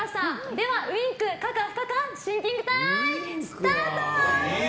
では、ウィンク可か不可かシンキングタイムスタート！